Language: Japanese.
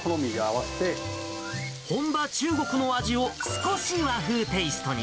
本場、中国の味を少し和風テイストに。